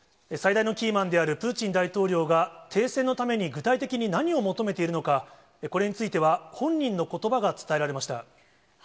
最大のキーマンであるプーチン大統領が停戦のために具体的に何を求めているのか、これについては本人のことばが伝えられました。